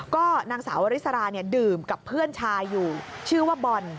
ก็นางสาววริสราเนี่ยดื่มกับเพื่อนชายอยู่ชื่อว่าบอล